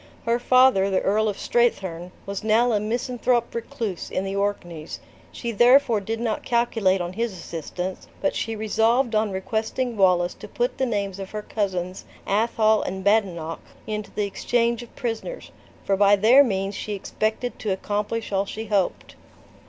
Her father, the Earl of Strathearn, was now a misanthrope recluse in the Orkneys; she therefore did not calculate on his assistance, but she resolved on requesting Wallace to put the names of her cousins, Athol and Badenoch, into the exchange of prisoners, for by their means she expected to accomplish all she hoped.